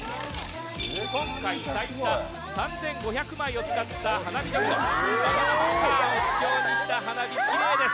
今回最多３，５００枚を使った花火ドミノバナナマンカラーを基調にした花火きれいです